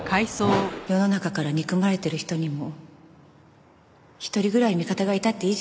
世の中から憎まれてる人にも一人ぐらい味方がいたっていいじゃないですか。